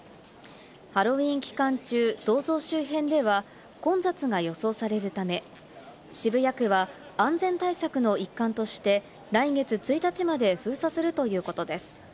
ハロウィーン期間中、銅像周辺では混雑が予想されるため渋谷区は安全対策の一環として来月１日まで封鎖するということです。